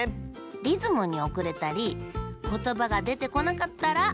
リズムにおくれたりことばがでてこなかったらまけよ。